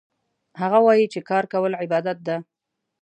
هغه وایي چې کار کول عبادت ده